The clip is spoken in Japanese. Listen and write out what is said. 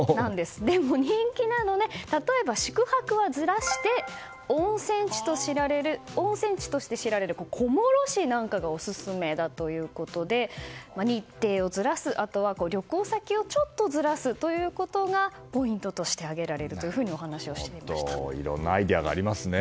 人気なので例えば宿泊はずらして温泉地として知られる小諸市なんかがオススメだということで日程をずらす、あとは旅行先をちょっとずらすということがポイントとして挙げられるといろんなアイデアがありますね。